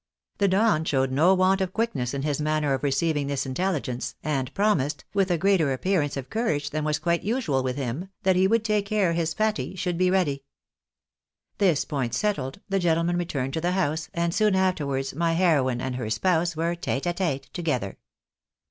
The Don showed no want of quickness in his manner of receiv ing this intelUgence, and promised, with a greater appearance of courage than was quite usual with him, that he would take care his Pati should be ready. This point settled, the gentlemen returned to the house, and soon afterwards my heroine and her spouse were iete a tete together.